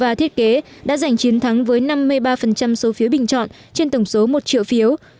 và thiết kế đã giành chiến thắng với năm mươi ba số phiếu bình chọn trên tổng số một triệu phiếu